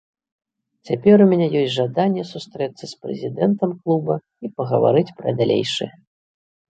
Цяпер у мяне ёсць жаданне сустрэцца з прэзідэнтам клуба і пагаварыць пра далейшае.